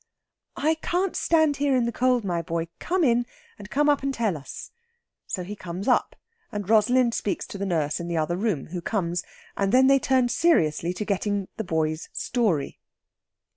"I can't stand here in the cold, my boy. Come in, and come up and tell us." So he comes up, and Rosalind speaks to the nurse in the other room, who comes; and then they turn seriously to getting the boy's story.